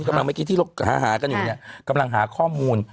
เมื่อกี้ที่เราหากันอยู่เนี่ยกำลังหาข้อมูล